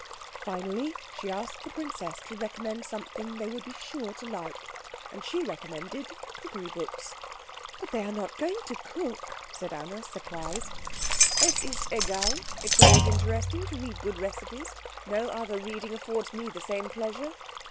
Finally, she asked the princess to recommend something they would be sure to like, and she recommended cookery books. "But they are not going to cook," said Anna, surprised. "Es ist egal it is always interesting to read good recipes. No other reading affords me the same pleasure."